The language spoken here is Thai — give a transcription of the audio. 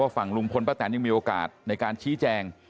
ฝั่งลุงพลป้าแตนยังมีโอกาสในการชี้แจง